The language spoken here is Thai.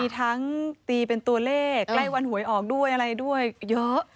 ทั้งตีเป็นตัวเลขใกล้วันหวยออกด้วยอะไรด้วยเยอะ